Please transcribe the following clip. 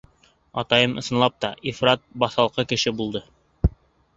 — Атайым, ысынлап та, ифрат баҫалҡы кеше булды.